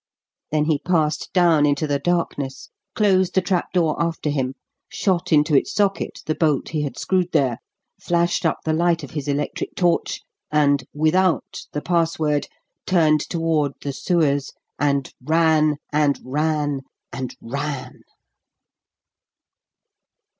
Then he passed down into the darkness, closed the trap door after him, shot into its socket the bolt he had screwed there, flashed up the light of his electric torch, and, without the password, turned toward the sewers, and ran, and ran, and ran!